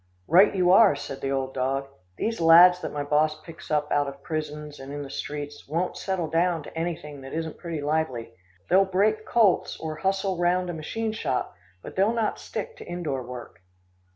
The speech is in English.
"Right you are," said the old dog. "These lads that my boss picks up out of prisons, and in the streets, won't settle down to anything that isn't pretty lively. They'll break colts or hustle round a machine shop, but they'll not stick to indoor work."